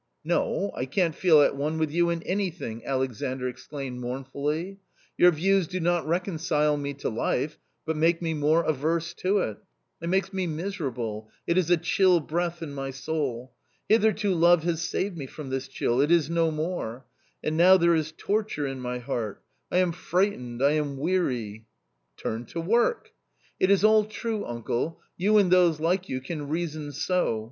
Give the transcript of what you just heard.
" No, I can't feel at one with you in anything," Alexandr exclaimed mournfully ;" your views do not reconcile me to life, but make me more averse to it. It makes me miser able, it is a chill breath in my soul. Hitherto love has saved me from this chill ; it is no more — and now there is torture in my heart — I am frightened, I am weary." 41 Turn to work." " It is all true, uncle, you and those like you can reason so.